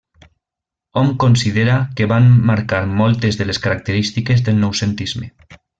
Hom considera que van marcar moltes de les característiques del noucentisme.